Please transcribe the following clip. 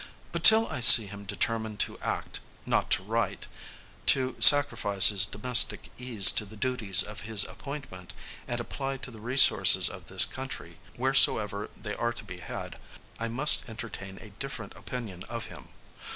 But till I see him determined to act, not to write; to sacrifice his domestic ease to the duties of his appointment, and apply to the resources of this country, wheresoever they are to be had, I must entertain a different opinion of him.